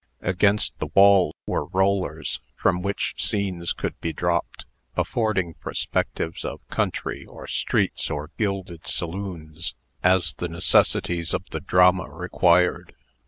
Against the wall were rollers, from which scenes could be dropped, affording perspectives of country, or streets, or gilded saloons, as the necessities of the drama required.